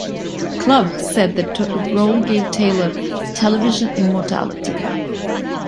Club" said the role gave Taylor "television immortality".